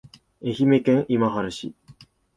愛媛県今治市